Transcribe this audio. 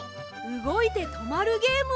うごいてとまるゲーム？